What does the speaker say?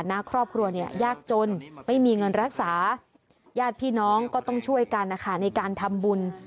ครอบครัวเนี่ยยากจนไม่มีเงินรักษาญาติพี่น้องก็ต้องช่วยกันนะคะในการทำบุญ